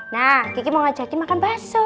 nah kiki mau ngajakin makan bakso